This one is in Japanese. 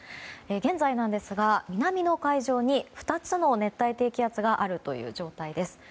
現在、南の海上に２つの熱帯低気圧があるという状態です。